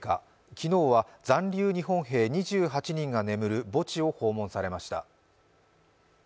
昨日は残留日本兵２８人が眠る墓地を訪問されました。